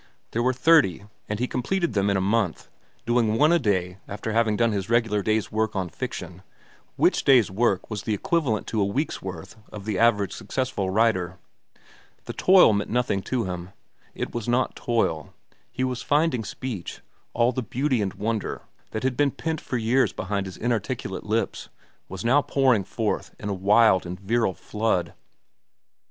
There were thirty, and he completed them in a month, doing one a day after having done his regular day's work on fiction, which day's work was the equivalent to a week's work of the average successful writer. The toil meant nothing to him. It was not toil. He was finding speech, and all the beauty and wonder that had been pent for years behind his inarticulate lips was now pouring forth in a wild and virile flood.